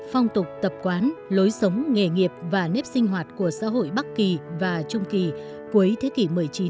phong tục tập quán lối sống nghề nghiệp và nếp sinh hoạt của xã hội bắc kỳ và trung kỳ cuối thế kỷ một mươi chín